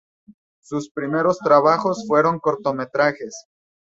Sus primeros trabajos fueron cortometrajes.